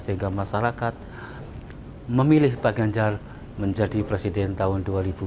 sehingga masyarakat memilih pak ganjar menjadi presiden tahun dua ribu dua puluh